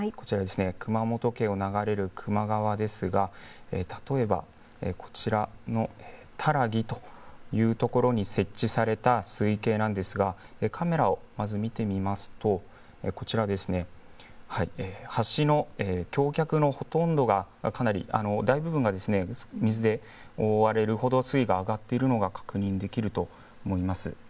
熊本県を流れる球磨川ですがこちらの多良木というところに設置された水位計なんですがカメラをまず見てみますと橋の橋脚のほとんどが、大部分が水で覆われるほど水位が上がっているのが確認できると思います。